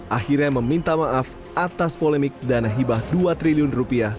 akhirnya meminta maaf atas polemik dana hibah dua triliun rupiah